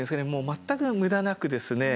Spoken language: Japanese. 全く無駄なくですね